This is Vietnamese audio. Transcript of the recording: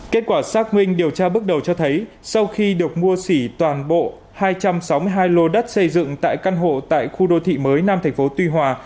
kết quả xác minh điều tra bước đầu cho thấy sau khi được mua xỉ toàn bộ hai trăm sáu mươi hai lô đất xây dựng tại căn hộ tại khu đô thị mới nam tp tuy hòa